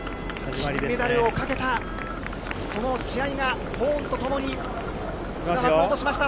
金メダルをかけたその試合が、ホーンとともに幕を落としました。